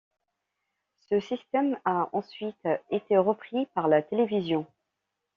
Ce système a ensuite été repris par la télévision.